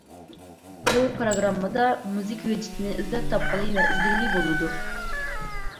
بۇ پىروگراممىدا مۇزىكا ھۆججىتىنى ئىزدەپ تاپقىلى ۋە ئىزدىگىلى بولىدۇ.